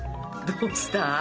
どうした？